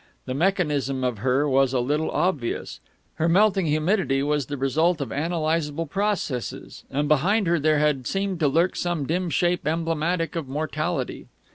The mechanism of her was a little obvious; her melting humidity was the result of analysable processes; and behind her there had seemed to lurk some dim shape emblematic of mortality.